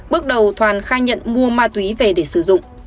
bước đầu toàn khai nhận mua ma túy về để sử dụng